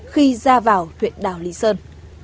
khi ra vào huyện đảo lý sơn